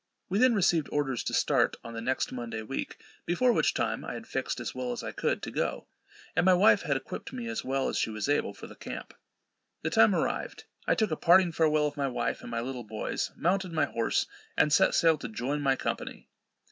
We then received orders to start on the next Monday week; before which time, I had fixed as well as I could to go, and my wife had equip'd me as well as she was able for the camp. The time arrived; I took a parting farewell of my wife and my little boys, mounted my horse, and set sail, to join my company.